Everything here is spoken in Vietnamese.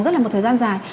rất là một thời gian dài